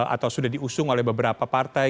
atau sudah diusung oleh beberapa partai